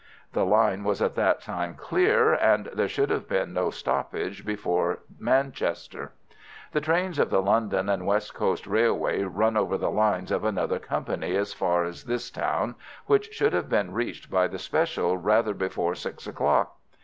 The line was at that time clear, and there should have been no stoppage before Manchester. The trains of the London and West Coast Railway run over the lines of another company as far as this town, which should have been reached by the special rather before six o'clock.